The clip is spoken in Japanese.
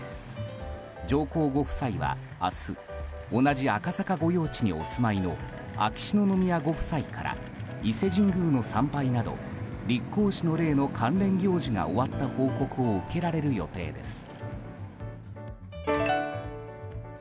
上皇ご夫妻は明日同じ赤坂御用地にお住まいの秋篠宮ご夫妻から伊勢神宮の参拝など立皇嗣の礼の関連行事が終わった報告を受けられる予定です。